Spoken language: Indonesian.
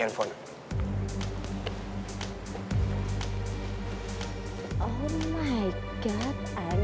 tanggal nanti mau beli makanan di inang